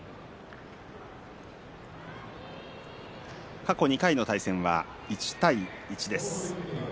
過去２回の対戦は１対１です。